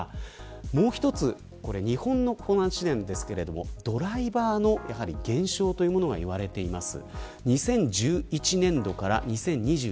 もう一つ日本のお話なんですがドライバーの減少というものがいわれています。